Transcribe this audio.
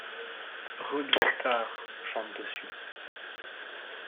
Ruby Starr chante dessus.